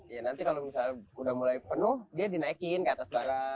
ya nanti kalau misalnya udah mulai penuh dia dinaikin ke atas barang